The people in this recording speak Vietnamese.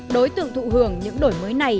đối tượng thụ hưởng những đổi mới này